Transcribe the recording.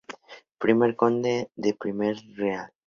Primer Conde de Premio Real.